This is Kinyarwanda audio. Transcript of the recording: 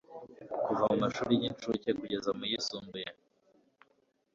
kuva mu mashuri y'incuke kugera mu yisumbuye,